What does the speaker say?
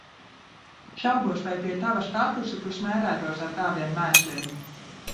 Šaubos, vai pie tava statusa tu smērētos ar tādiem mēsliem.